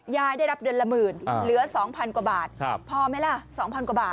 ยายได้รับเดือนละหมื่นอ่าเหลือสองพันกว่าบาทครับพอไหมล่ะสองพันกว่าบาท